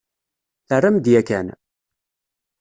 Terram-d yakan?